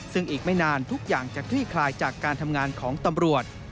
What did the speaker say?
ซึ่งอีกไม่นานทุกอย่างจะคลี่คลายจากการทำงานของตำรวจ